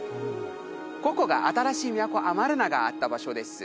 ここが新しい都アマルナがあった場所です